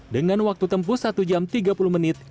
dengan waktu tempuh satu jam tiga puluh menit